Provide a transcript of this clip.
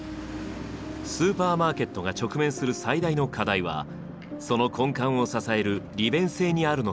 スーパーマーケットが直面する最大の課題はその根幹を支える「利便性」にあるのかもしれません。